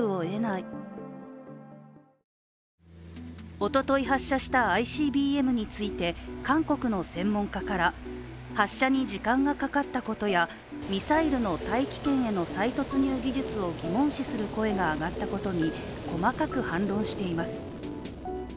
おととい発射したＩＣＢＭについて韓国の専門家から、発射に時間がかかったことやミサイルの大気圏への再突入技術を疑問視する声が上がったことに細かく反論しています。